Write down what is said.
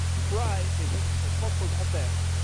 Fry est donc son propre grand-père.